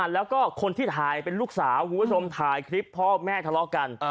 แล้วก็คนที่ถ่ายเป็นลูกสาวคุณผู้ชมถ่ายคลิปพ่อแม่ทะเลาะกัน